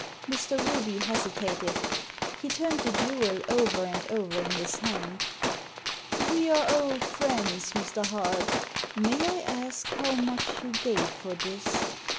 Mr. Ruby hesitated. He turned the jewel over and over in his hand. "We are old friends, Mr. Hart May I ask how much you gave for this